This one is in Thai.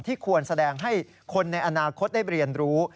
ควรแสดงให้คนในอนาคตได้เรียนรู้